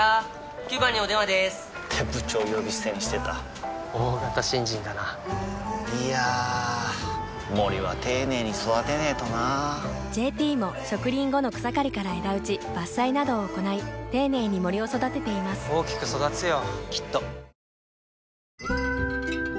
９番にお電話でーす！って部長呼び捨てにしてた大型新人だないやー森は丁寧に育てないとな「ＪＴ」も植林後の草刈りから枝打ち伐採などを行い丁寧に森を育てています大きく育つよ